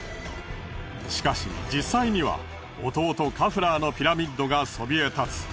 しかし実際には弟カフラーのピラミッドがそびえ立つ。